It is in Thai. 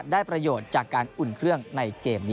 ได้รับเอกสารยืนยันว่าจะเป็น